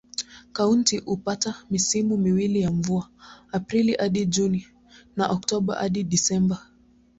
Kaunti hupata misimu miwili ya mvua: Aprili hadi Juni na Oktoba hadi Disemba.